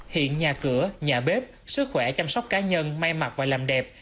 hiện nhà cửa nhà bếp sức khỏe chăm sóc cá nhân may mặc và làm đẹp